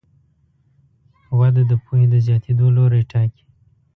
وده د پوهې د زیاتېدو لوری ټاکي.